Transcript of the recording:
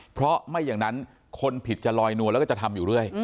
เพราะไม่อย่างนั้นคนผิดจะลอยนวลแล้วก็จะทำอยู่เรื่อย